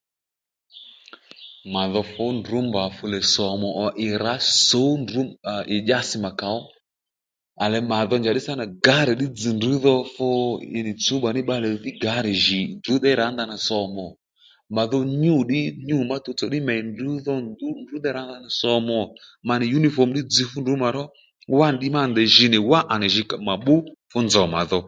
Mà dho fú ndrǔ mbà fúlè sòmù ò ì rǎ sǔw ì dyási mà kàó à lè mà dho njàddí sǎ nà gǎr ddí dzz̀ ndrǔ dho ì nì tsúwba ní bbalè dhí gǎr jì ndrǔ rǎ ndanà sòmù ò mà dho nyû nyû má tuwtsò ddí mèy ndrǔ dho ndrǔ ndrǔ déy rǎ ndanà sòmù ò mà dho yǔnìfǒm dzz̀ fú ndrǔ mà ró wánì ddiy má ndèy nì ndèy jǐ nì ma bbú fú nzòw mà dho